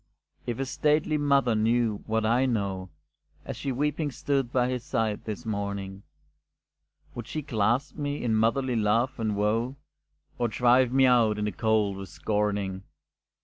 If his stately mother knew what I know, As she weeping stood by his side this morning, Would she clasp me in motherly love and woe Or drive me out in the cold with scorning?